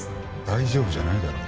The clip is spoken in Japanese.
大丈夫じゃないだろ。